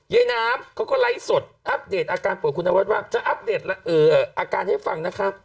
ยายน้ำเขาก็ไลฟ์สดอัปเดตอาการป่วยคุณนวัดว่าจะอัปเดตอาการให้ฟังนะคะ